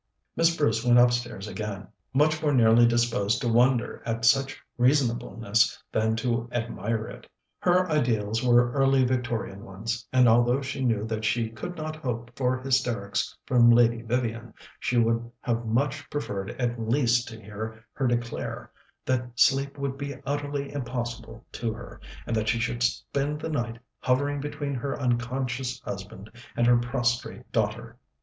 Miss Bruce went upstairs again, much more nearly disposed to wonder at such reasonableness than to admire it. Her ideals were early Victorian ones, and although she knew that she could not hope for hysterics from Lady Vivian, she would have much preferred at least to hear her declare that sleep would be utterly impossible to her, and that she should spend the night hovering between her unconscious husband and her prostrate daughter.